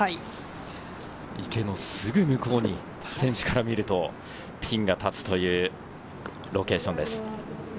池のすぐ向こうに選手から見ると、ピンがたつというロケーションです。